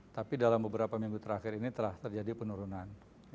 tapi dalam beberapa minggu terakhir ini telah terjadi penurunan